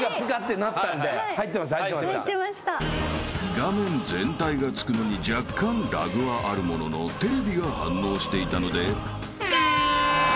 ［画面全体がつくのに若干ラグはあるもののテレビが反応していたので］